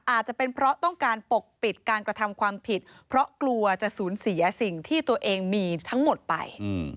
อาจจะเป็นเพราะต้องการปกปิดการกระทำความผิดเพราะกลัวจะสูญเสียสิ่งที่ตัวเองมีทั้งหมดไป